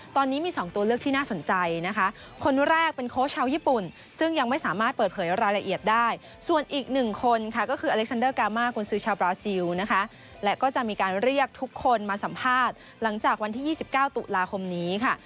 ตอนนี้มี๒ตัวเลือกที่น่าสนใจนะคะคนแรกเป็นโค้ชชาวญี่ปุ่นซึ่งยังไม่สามารถเปิดเผยรายละเอียดได้ส่วนอีกหนึ่งคนค่ะก็คืออเล็กซันเดอร์กามากุญซือชาวบราซิลนะคะและก็จะมีการเรียกทุกคนมาสัมภาษณ์หลังจากวันที่๒๙ตุลาคมนี้ค่ะ